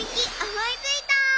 思いついた！